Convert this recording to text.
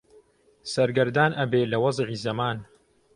سەرگەردان ئەبێ لە وەزعی زەمان